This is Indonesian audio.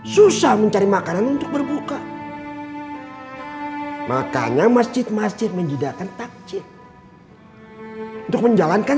susah mencari makanan untuk berbuka makanya masjid masjid menjidakan takjil untuk menjalankan